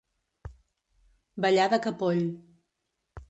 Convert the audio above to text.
Ballar de capoll.